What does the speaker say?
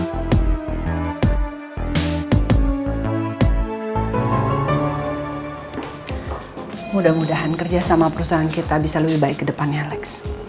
semoga kerja sama perusahaan kita bisa lebih baik ke depannya leks